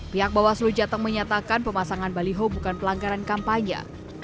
pihak bawaslu jateng menyatakan pemasangan baliho bukan pelanggaran kampanye